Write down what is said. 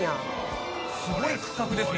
すごい区画ですね